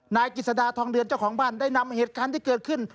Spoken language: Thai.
นายกิจสดาทองเดือนเจ้าของบ้านได้นำเหตุการณ์ที่เกิดขึ้น